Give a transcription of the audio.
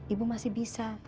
ibu masih bisa